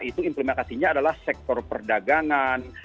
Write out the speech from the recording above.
itu implementasinya adalah sektor perdagangan